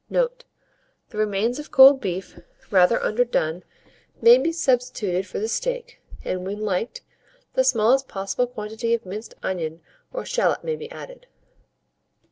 Note. The remains of cold beef, rather underdone, may be substituted for the steak, and, when liked, the smallest possible quantity of minced onion or shalot may be added.